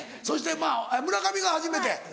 そして村上が初めて。